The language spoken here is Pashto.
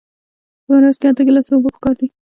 په ورځ کې اته ګیلاسه اوبه پکار دي